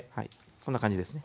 こんな感じですね。